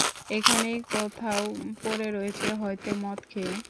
এখানেই কোথাও পড়ে রয়েছে হয়তো মদ খেয়ে।